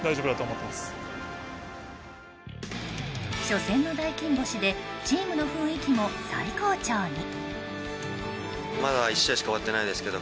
初戦の大金星でチームの雰囲気も最高潮に。